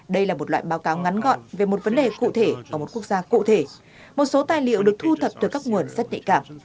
đây là một loại báo cáo ngắn gọn về một vấn đề cụ thể ở một quốc gia cụ thể một số tài liệu được thu thập từ các nguồn rất nhạy cảm